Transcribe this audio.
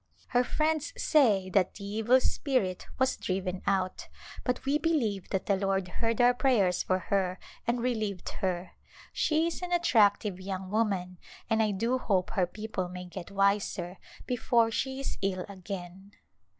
Her friends say that the evil spirit was driven out, but we believe that the Lord heard our prayers for her and relieved her. She is an attract ive young woman and I do hope her people may get wiser before she is ill again.